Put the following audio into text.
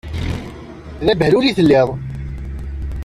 D abehlul i telliḍ.